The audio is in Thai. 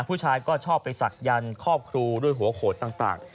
ผู้ชายก็ชอบไปศักดันครอบครูด้วยหัวโขดต่าง